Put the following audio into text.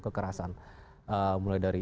kekerasan mulai dari